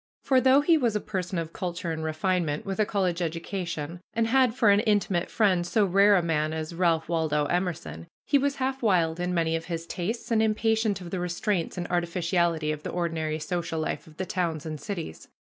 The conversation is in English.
For though he was a person of culture and refinement, with a college education, and had for an intimate friend so rare a man as Ralph Waldo Emerson, he was half wild in many of his tastes and impatient of the restraints and artificiality of the ordinary social life of the towns and cities.